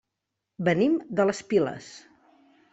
Venim de les Piles.